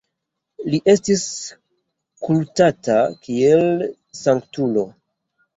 Li estis kultata kiel sanktulo.